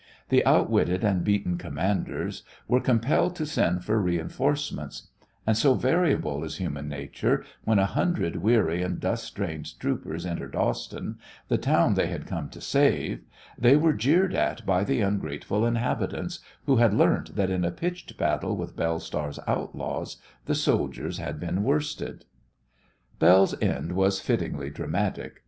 The outwitted and beaten commanders were compelled to send for reinforcements, and, so variable is human nature, when a hundred weary and dust strained troopers entered Austin, the town they had come to save, they were jeered at by the ungrateful inhabitants, who had learnt that in a pitched battle with Belle Star's outlaws the soldiers had been worsted. Belle's end was fittingly dramatic.